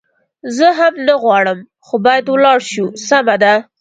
زه هم نه غواړم، خو باید ولاړ شو، سمه ده.